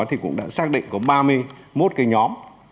thì cũng đã xác định có ba mươi một cái nhóm